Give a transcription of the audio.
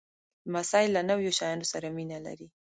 لمسی له نویو شیانو سره مینه لري.